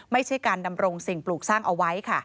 ไม่ใช่การดำรงสิ่งปลูกสร้างเอาไว้ค่ะ